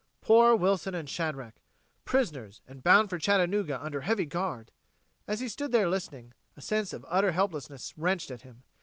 Poor Wilson and Shadrack! Prisoners, and bound for Chattanooga under heavy guard! As he stood there listening, a sense of utter helplessness wrenched at him.